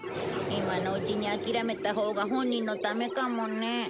今のうちに諦めたほうが本人のためかもね。